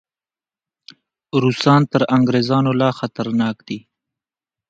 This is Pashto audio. روسان تر انګریزانو لا خطرناک دي.